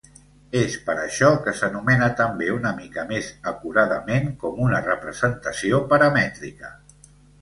És per això que s'anomena també una mica més acuradament com una representació paramètrica.